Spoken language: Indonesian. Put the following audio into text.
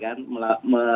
ini kan wilayah ibukota kkn